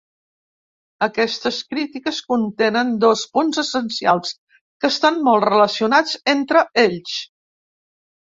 Aquestes crítiques contenen dos punts essencials que estan molt relacionats entre ells.